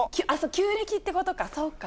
旧暦っていうことか、そうか。